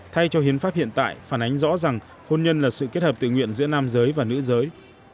thay cho hiến pháp hiện tại phản ánh rõ rằng hôn nhân là sự kết hợp tự nguyện giữa nam giới và nữ giới